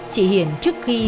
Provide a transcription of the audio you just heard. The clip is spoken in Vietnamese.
chị hiền trước khi bị mất tích